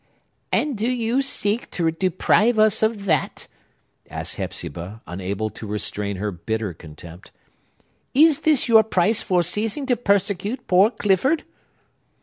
"And do you seek to deprive us of that?" asked Hepzibah, unable to restrain her bitter contempt. "Is this your price for ceasing to persecute poor Clifford?"